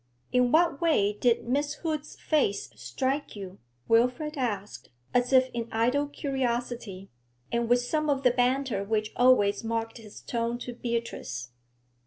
'In what way did Miss Hood's face strike you?' Wilfrid asked, as if in idle curiosity, and with some of the banter which always marked his tone to Beatrice.